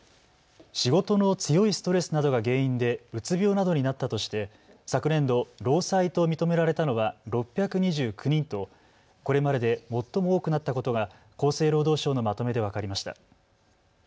仕事の強いストレスなどが原因でうつ病などになったとして昨年度、労災と認められたのは６２９人とこれまでで最も多くなったことが厚生労働省のまとめで分かりました。